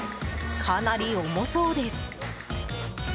かなり重そうです。